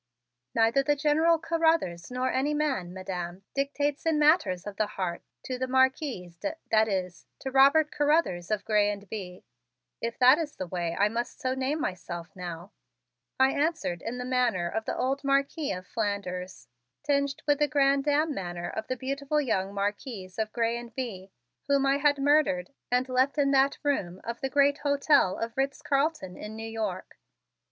"Neither the General Carruthers nor any man, Madam, dictates in matters of the heart to the Marquise de that is, to Robert Carruthers of Grez and Bye, if that is the way I must so name myself now," I answered in the manner of the old Marquis of Flanders, tinged with the grande dame manner of the beautiful young Marquise of Grez and Bye whom I had murdered and left in that room of the great hotel of Ritz Carlton in New York.